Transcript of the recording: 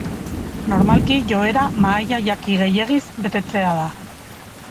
Normalki joera mahaia jaki gehiegiz betetzea da.